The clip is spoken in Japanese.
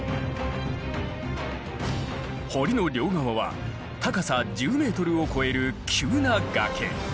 堀の両側は高さ１０ｍを超える急な崖。